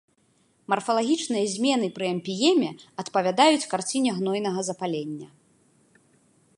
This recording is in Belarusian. Марфалагічныя змены пры эмпіеме адпавядаюць карціне гнойнага запалення.